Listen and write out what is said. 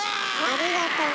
ありがとね。